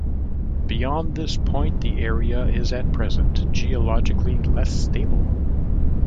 Beyond this point the area is at present geologically less stable.